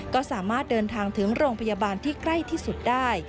ก็สามารถเดินทางถึงโรงพยาบาลที่ใกล้ที่สุดได้